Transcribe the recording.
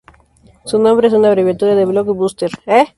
Su nombre, es una abreviatura de BlockBuster.